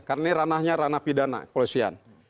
karena ini ranahnya ranah pidana kepolisian